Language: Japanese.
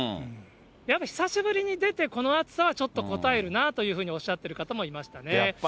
やっぱり久しぶりに出て、この暑さはちょっとこたえるなというふうにおっしゃってる方もいましたね。